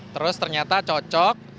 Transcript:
terus ternyata cocok